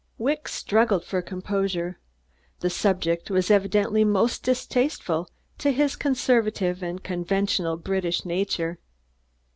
Wicks struggled for composure. The subject was evidently most distasteful to his conservative and conventional British nature.